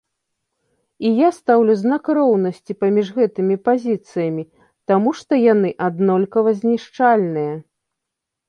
І я стаўлю знак роўнасці паміж гэтымі пазіцыямі, таму што яна аднолькава знішчальныя.